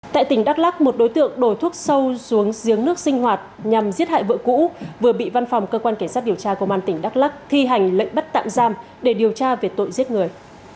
tại tỉnh đắk lắc một đối tượng đổ thuốc sâu xuống giếng nước sinh hoạt nhằm giết hại vợ cũ vừa bị văn phòng cơ quan cảnh sát điều tra công an tỉnh đắk lắc thi hành lệnh bắt tạm giam để điều tra về tội giết người